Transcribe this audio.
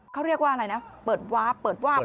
เขาเรียกว่าอะไรนะเปิดวาร์ฟเปิดวาบ